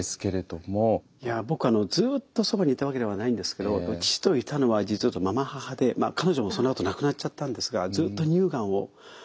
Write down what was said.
いや僕ずっとそばにいたわけではないんですけど父といたのは実を言うとまま母で彼女もそのあと亡くなっちゃったんですがずっと乳がんを。